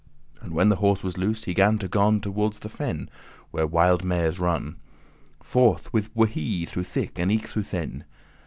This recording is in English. And when the horse was loose, he gan to gon Toward the fen, where wilde mares run, Forth, with "Wehee!" through thick and eke through thin.